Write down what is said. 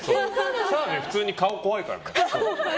澤部、普通に顔怖いから。